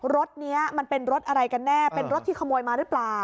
รถนี้มันเป็นรถอะไรกันแน่เป็นรถที่ขโมยมาหรือเปล่า